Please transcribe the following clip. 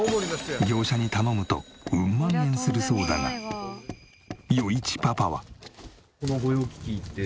業者に頼むとウン万円するそうだが余一パパは。